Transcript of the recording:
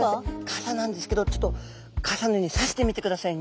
傘なんですけどちょっと傘のように差してみてくださいね。